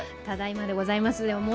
ただいまでございますよ。